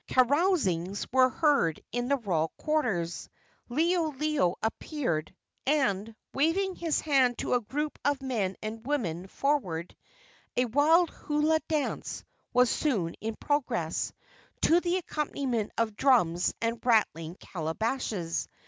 Carousings were heard in the royal quarters. Liholiho appeared, and, waving his hand to a group of men and women forward, a wild hula dance was soon in progress, to the accompaniment of drums and rattling calabashes.